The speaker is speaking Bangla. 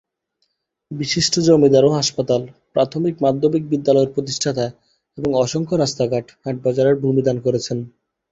বিশিষ্ট জমিদার ও হাসপাতাল, প্রথমিক-মাধ্যমিক বিদ্যালয়ের প্রতিষ্ঠাতা এবং অসংখ্য রাস্তাঘাঁট, হাটবাজারের ভূমি দান করেছেন।